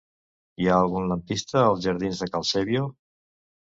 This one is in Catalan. Hi ha algun lampista als jardins de Cal Sèbio?